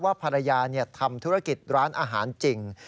ภรรยาทำธุรกิจร้านอาหารจริง